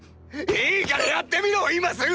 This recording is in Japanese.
いいからやってみろ今すぐ！